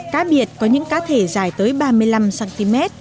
cá biệt có những cá thể dài tới ba mươi năm cm